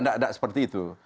nggak seperti itu